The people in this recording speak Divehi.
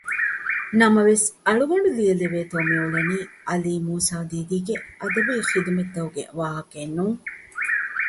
ނަމަވެސް އަޅުގަނޑު ލިޔެލެވޭތޯ މިއުޅެނީ ޢަލީ މޫސާދީދީގެ އަދަބީ ޚިދުމަތްތަކުގެ ވާހަކައެއް ނޫން